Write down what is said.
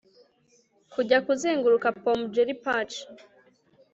Kujya kuzenguruka pome Cherry pach